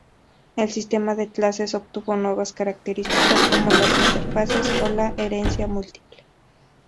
El sistema de clases obtuvo nuevas características, como las interfaces o la herencia múltiple.